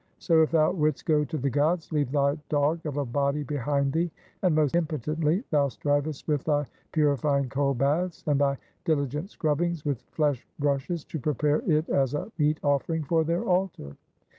So, if thou wouldst go to the gods, leave thy dog of a body behind thee. And most impotently thou strivest with thy purifying cold baths, and thy diligent scrubbings with flesh brushes, to prepare it as a meet offering for their altar.